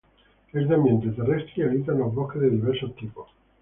Es de ambiente terrestre y habita en bosques de diversos tipos.